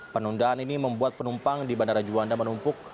penundaan ini membuat penumpang di bandara juanda menumpuk